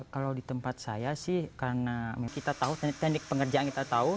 kalau di tempat saya sih karena kita tahu teknik teknik pengerjaan kita tahu